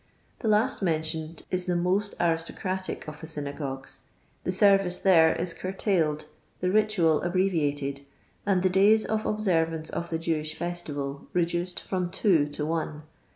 The last mentioned is the most aristocratic of the synagogues. The service there is curtiiiled, the ritu; il abbre viated, and the days of observance of the Jewish festival reduced from two to one.